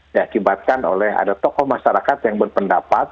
diakibatkan oleh ada tokoh masyarakat yang berpendapat